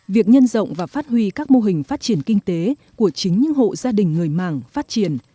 việc nhân rộng và phát huy các mô hình phát triển kinh tế của chính những hộ gia đình người mạng phát triển